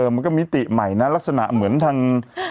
มันก็มิติใหม่นะลักษณะเหมือนทาง